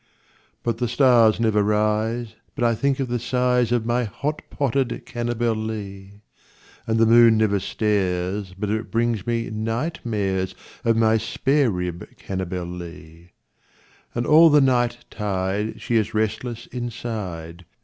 But the stars never rise but I think of the size Of my hot potted Cannibalee, And the moon never stares but it brings me night mares Of my spare rib Cannibalee; And all the night tide she is restless inside.